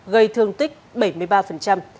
gây thương tích bảy mươi ba